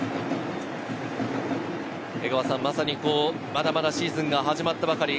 まだまだシーズンが始まったばかり。